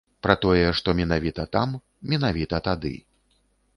Пра тое, што менавіта там, менавіта тады.